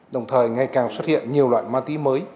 đồng thời ngày càng xuất hiện nhiều loại ma túy mới